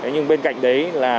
nhưng bên cạnh đấy là